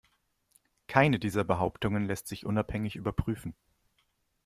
Keine dieser Behauptungen lässt sich unabhängig überprüfen.